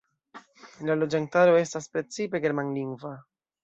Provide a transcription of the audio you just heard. La loĝantaro estas precipe germanlingva.